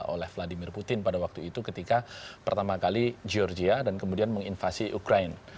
oleh vladimir putin pada waktu itu ketika pertama kali georgia dan kemudian menginvasi ukraine